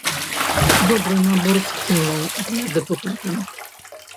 Добры набор скілаў для дэпутата!